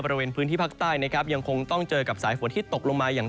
บริเวณพื้นที่ภาคใต้นะครับยังคงต้องเจอกับสายฝนที่ตกลงมาอย่าง